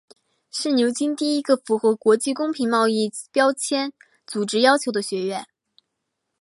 是牛津第一个符合国际公平贸易标签组织要求的学院。